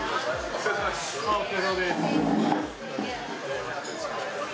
お疲れさまですの活躍